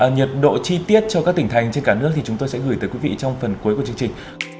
nhiệt độ chi tiết cho các tỉnh thành trên cả nước thì chúng tôi sẽ gửi tới quý vị trong phần cuối của chương trình